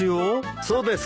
そうですか。